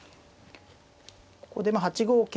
ここでまあ８五桂